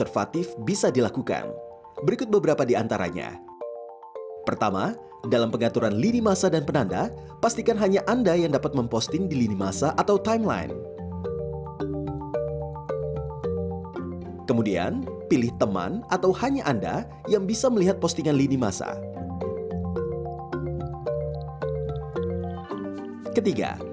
pilih teman atau hanya anda yang bisa melihat postingan linimasa